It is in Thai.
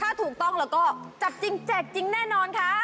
ถ้าถูกต้องแล้วก็จับจริงแจกจริงแน่นอนค่ะ